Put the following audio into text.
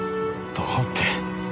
どうって。